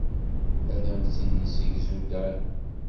Ad am-t-id-yessegzu Dan.